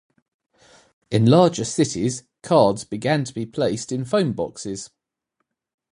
In larger cities, cards began to be placed in phone boxes.